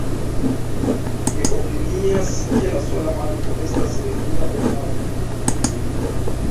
Mi opinias, ke la sola manko estas regula enhavo.